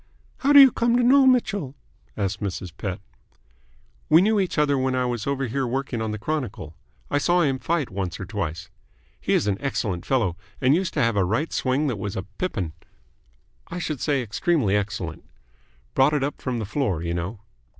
"How do you come to know Mitchell?" asked Mrs. Pett. "We knew each other when I was over here working on the Chronicle. I saw him fight once or twice. He is an excellent fellow, and used to have a right swing that was a pippin I should say extremely excellent. Brought it up from the floor, you know."